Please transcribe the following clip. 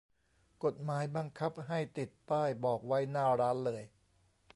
กฎหมายบังคับให้ติดป้ายบอกไว้หน้าร้านเลย